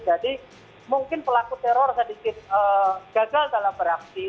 jadi mungkin pelaku teror sedikit gagal dalam beraksi